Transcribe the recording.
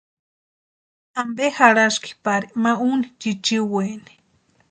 ¿Ampe jarhaski pari ma úni chichiweni?